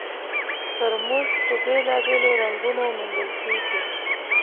ترموز په بېلابېلو رنګونو موندل کېږي.